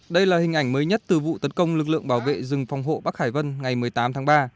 đây là hình ảnh mới nhất từ vụ tấn công lực lượng bảo vệ rừng phòng hộ bắc hải vân ngày một mươi tám tháng ba